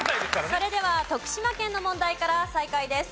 それでは徳島県の問題から再開です。